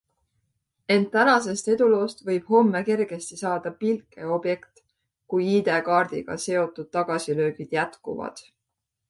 Ent tänasest eduloost võib homme kergesti saada pilkeobjekt, kui ID-kaardiga seotud tagasilöögid jätkuvad.